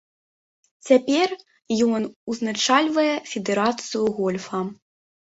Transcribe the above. Цяпер ён узначальвае федэрацыю гольфа.